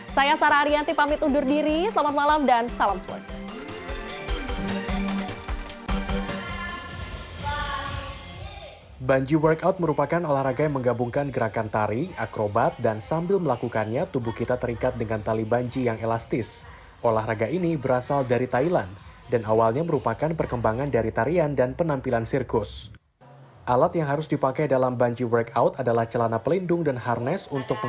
saya sarah ariyanti pamit undur diri selamat malam dan salam sports